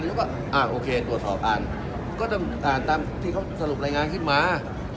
แล้วก็อ่าโอเคตรวจสอบอ่านก็ต้องอ่านตามที่เขาสรุปรายงานขึ้นมา